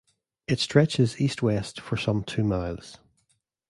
It stretches east-west for some two miles.